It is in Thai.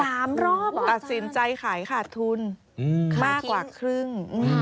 ตัดสินใจขายขาดทุนมากกว่าครึ่ง